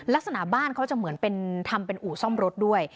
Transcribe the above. ลักษณะบ้านเขาจะเหมือนเป็นทำเป็นอู่ซ่อมรถด้วย